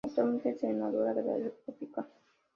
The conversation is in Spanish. Actualmente es Senadora de la República.